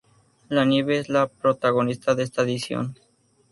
La nieve es la protagonista de esta edición.